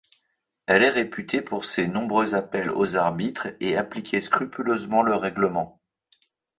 Elle est réputée pour ses nombreux appels aux arbitres et appliquer scrupuleusement le règlement.